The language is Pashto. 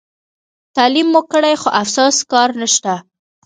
تعلیم مو کړي خو افسوس کار نشته.